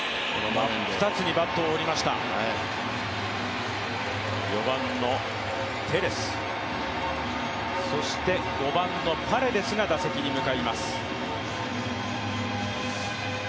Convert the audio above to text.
真っ二つにバットを折りました、４番のテレス、そして５番のパレデスが打席に向かいます。